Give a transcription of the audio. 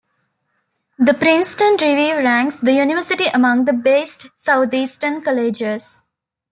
The Princeton Review ranks the university among the Best Southeastern Colleges.